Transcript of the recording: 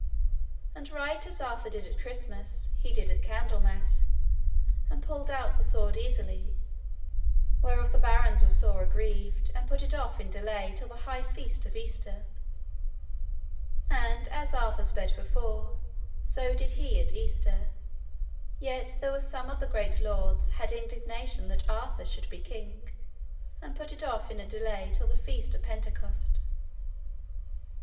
And right as Arthur did at Christmas, he did at Candlemas, and pulled out the sword easily, whereof the barons were sore aggrieved and put it off in delay till the high feast of Easter. And as Arthur sped before, so did he at Easter; yet there were some of the great lords had indignation that Arthur should be king, and put it off in a delay till the feast of Pentecost.